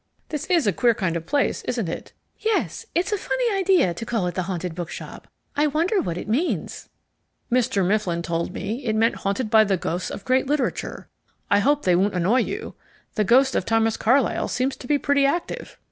"This is a queer kind of place, isn't it?" "Yes, it's a funny idea to call it the Haunted Bookshop. I wonder what it means." "Mr. Mifflin told me it meant haunted by the ghosts of great literature. I hope they won't annoy you. The ghost of Thomas Carlyle seems to be pretty active."